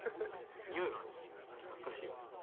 匂いが懐かしいよね。